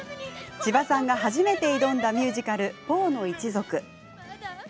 千葉さんが初めて挑んだミュージカル「ポーの一族」。